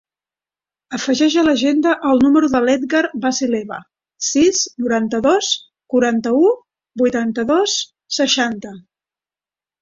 Afegeix a l'agenda el número de l'Edgar Vasileva: sis, noranta-dos, quaranta-u, vuitanta-dos, seixanta.